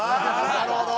なるほど！